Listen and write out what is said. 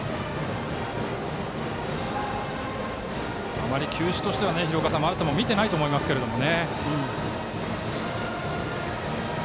あまり球種としては丸田も見てないと思いますけども。